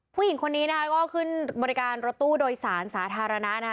ผู้หญิงคนนี้นะคะก็ขึ้นบริการรถตู้โดยสารสาธารณะนะคะ